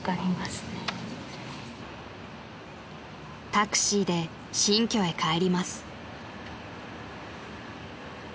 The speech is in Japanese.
［タクシーで新居へ帰ります］